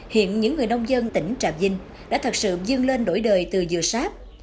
hiện những người nông dân tỉnh trà vinh đã thật sự dương lên đổi đời từ dừa sáp